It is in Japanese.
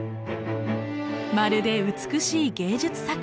まるで美しい芸術作品。